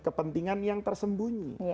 kepentingan yang tersembunyi